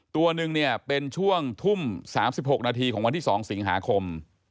ตัวหนึ่งเนี่ยเป็นช่วงทุ่ม๓๖นาทีของวันที่๒สิงหาคม